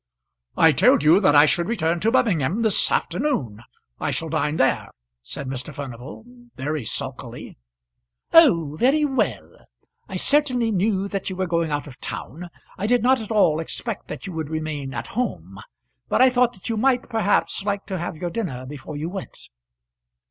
"I told you that I should return to Birmingham this afternoon; I shall dine there," said Mr. Furnival, very sulkily. "Oh, very well. I certainly knew that you were going out of town. I did not at all expect that you would remain at home; but I thought that you might, perhaps, like to have your dinner before you went.